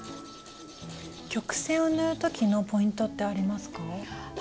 曲線を縫う時のポイントってありますか？